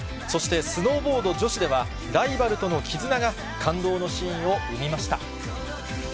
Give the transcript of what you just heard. そして、スノーボード女子では、ライバルとの絆が感動のシーンを生みました。